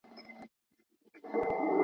دوی کور ته روان دي.